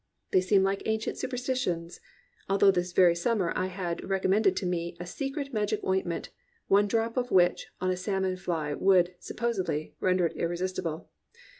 They seem like ancient superstitions. — although this very summer I have had recommended to me a secret magic ointment one drop of which upon a salmon fly would (sup posedly) render it irresistible.